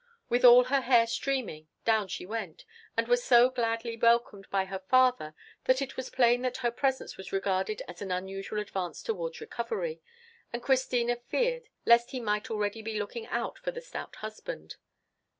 With all her hair streaming, down she went, and was so gladly welcomed by her father that it was plain that her presence was regarded as an unusual advance towards recovery, and Christina feared lest he might already be looking out for the stout husband.